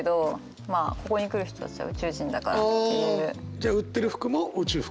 じゃあ売ってる服も宇宙服？